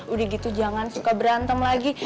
udah gitu jangan suka berantem lagi